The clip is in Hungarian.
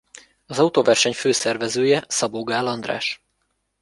Az autóverseny fő szervezője Szabó Gál András.